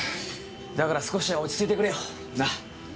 だから少しは落ち着いてくれよ。な？